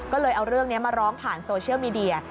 ก็เลยเอาเรื่องนี้มาร้องผ่านโซเชียลมีเดีย